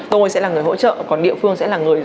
tôi sẽ là người hỗ trợ còn địa phương sẽ là người